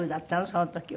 その時は。